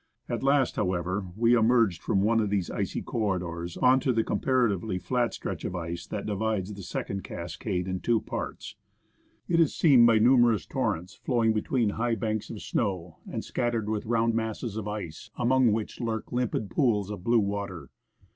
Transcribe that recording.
At last, however, we emerged from one of these icy corri dors on to the comparatively flat stretch of ice, that divides the second cascade into two parts. It is seamed by numerous torrents flowing between high banks of snow, and scattered with round masses of ice, among which lurk limpid pools of blue water.